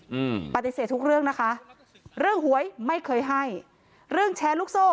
อืมปฏิเสธทุกเรื่องนะคะเรื่องหวยไม่เคยให้เรื่องแชร์ลูกโซ่